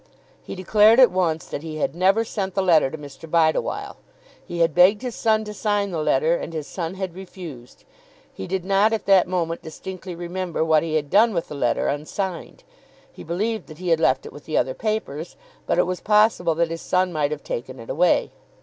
He declared at once that he had never sent the letter to Mr. Bideawhile. He had begged his son to sign the letter and his son had refused. He did not at that moment distinctly remember what he had done with the letter unsigned. He believed he had left it with the other papers; but it was possible that his son might have taken it away.